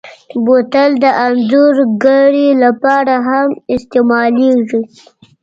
بوتل د انځورګرۍ لپاره هم استعمالېږي.